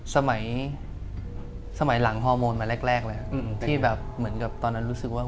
สมัยสมัยหลังฮอร์โมนมาแรกเลยที่แบบเหมือนกับตอนนั้นรู้สึกว่า